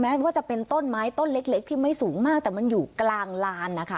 ว่าจะเป็นต้นไม้ต้นเล็กที่ไม่สูงมากแต่มันอยู่กลางลานนะคะ